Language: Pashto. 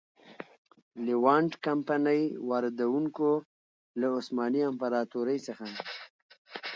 لېوانټ کمپنۍ واردوونکو له عثماني امپراتورۍ څخه.